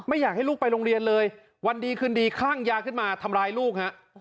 อยากให้ลูกไปโรงเรียนเลยวันดีคืนดีคลั่งยาขึ้นมาทำร้ายลูกฮะ